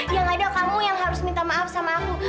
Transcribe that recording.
yang ada kamu yang harus minta maaf sama aku